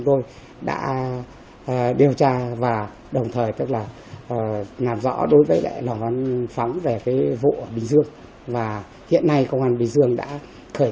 tôi là kẻ riêng người